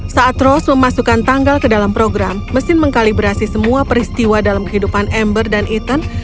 saat rose memasukkan tanggal ke dalam program mesin mengkalibrasi semua peristiwa dalam kehidupan ember dan ethan